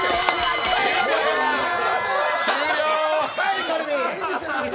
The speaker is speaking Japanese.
終了！